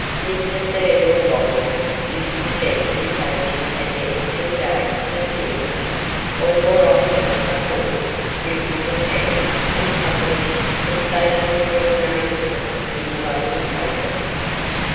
Mr Theodore Wopples used to send his agent ahead to engage the theatre or more often a hall bill the town, and publish sensational little notices in the local papers.